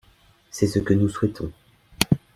C’est ce que nous souhaitons.